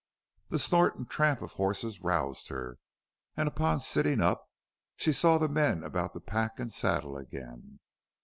The snort and tramp of horses roused her, and upon sitting up she saw the men about to pack and saddle again.